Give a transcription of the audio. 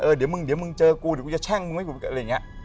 เดี๋ยวมึงเดี๋ยวมึงเจอกูเดี๋ยวกูจะแช่งมึงให้กูอะไรอย่างนี้